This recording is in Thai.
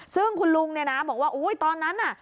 ซึ่งคุณลุงเนี่ยนะบอกว่าอุ้ยตอนนั้นน่ะ